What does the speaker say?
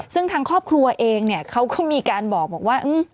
ซึ่งทางครอบครัวเองเนี่ยเขาก็มีการบอกว่า